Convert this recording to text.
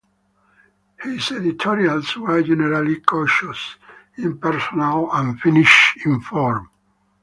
His editorials were generally cautious, impersonal, and finished in form.